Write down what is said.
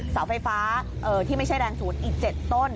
เสาไฟฟ้าที่ไม่ใช่แรงศูนย์อีก๗ต้น